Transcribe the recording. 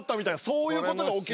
そういうことが起きる。